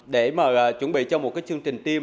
để mà chuẩn bị cho một chương trình team